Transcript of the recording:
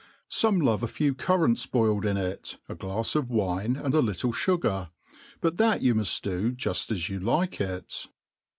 Some love a few currants boiled in it, a glafs of wine, and a little fugar ; but that you muft do juft as you like it.